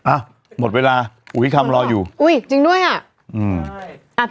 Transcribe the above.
อ่ะหมดเวลาอุ้ยคำรออยู่อุ้ยจริงด้วยอ่ะอืม